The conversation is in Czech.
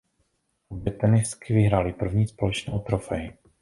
Obě tenistky vyhrály první společnou trofej.